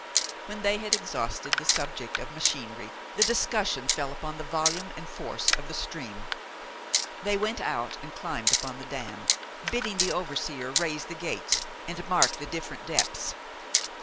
When they had exhausted the subject of machinery the discussion fell upon the volume and force of the stream. They went out and climbed upon the dam, bidding the overseer raise the gates and mark the different depths.